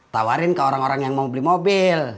tawarin ke orang orang yang mau beli mobil